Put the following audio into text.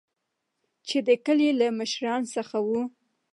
چې د کلي له مشران څخه وو.